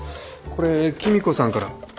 これ黄実子さんから。